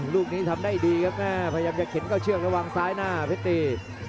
ลูกนี้ทำได้ดีครับแม่พยายามจะเข็นเข้าเชือกแล้ววางซ้ายหน้าเพชรตี